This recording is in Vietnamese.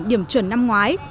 điểm chuẩn năm ngoái